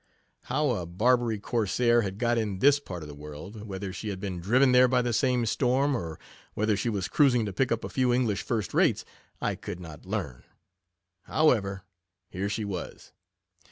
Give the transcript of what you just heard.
How a Barbary corsair had got in this part of the world — whether she had been driven there by the same storm, or whether she was cruising to pick up a few English first rates, I could not learn. However, here she was.